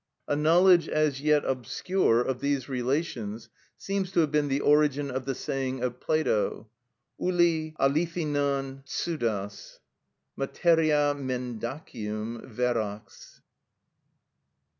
A knowledge, as yet obscure, of these relations seems to have been the origin of the saying of Plato, "ὑλη αληθινον ψευδος" (materia mendacium verax).